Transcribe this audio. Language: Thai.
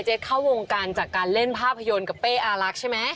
จากการเล่นภาพยนตร์กับเป้อารักษ์ใช่ไหม